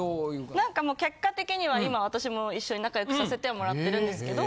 なんかもう結果的には今私も一緒に仲良くさせてはもらってるんですけど。